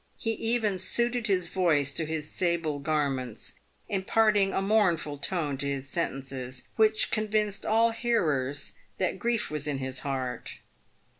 He even suited his voice to his sable garments, imparting a mournful tone to his sentences, which convinced all hearers that grief was in his heart.